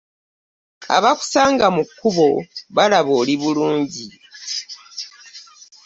Abakusanga mu kkubo balaba oli bulungi.